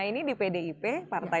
ini di pdip partai